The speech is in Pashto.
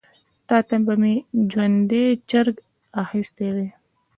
تا ته به مي ژوندی چرګ اخیستی وای .